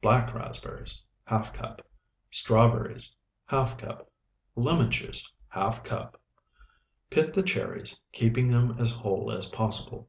Black raspberries, ½ cup. Strawberries, ½ cup. Lemon juice, ½ cup. Pit the cherries, keeping them as whole as possible.